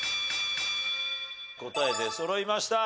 答え出そろいました。